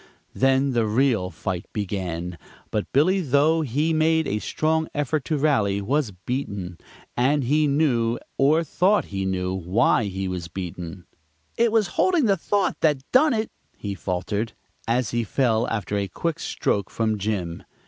Then the real fight began, but Billy, though he made a strong effort to rally, was beaten, and he knew, or thought he knew, why he was beaten. "It was holding the thought that done it," he faltered, as he fell after a quick stroke from Jim.